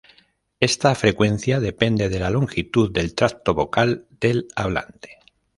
Esta frecuencia depende de la longitud del tracto vocal del hablante.